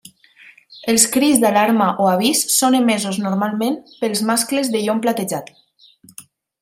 Els crits d'alarma o avís són emesos normalment pels mascles de llom platejat.